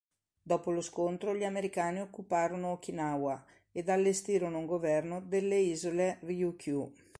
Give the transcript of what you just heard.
Dopo lo scontro, gli americani occuparono Okinawa, ed allestirono un governo delle isole Ryukyu.